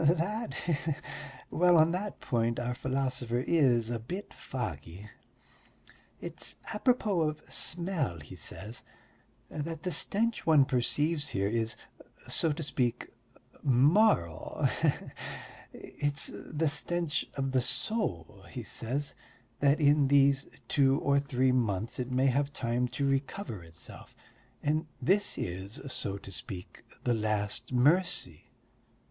"That ... he he.... Well, on that point our philosopher is a bit foggy. It's apropos of smell, he said, that the stench one perceives here is, so to speak, moral he he! It's the stench of the soul, he says, that in these two or three months it may have time to recover itself ... and this is, so to speak, the last mercy....